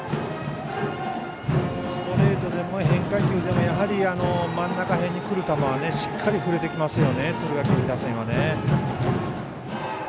ストレートでも変化球でもやはり、真ん中辺にくる球はしっかり振れてきます敦賀気比打線。